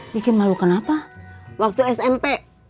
bikin malu kenapa waktu smp